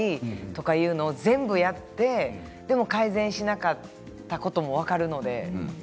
そういうことを全部やってでも改善しなかったことも分かるので。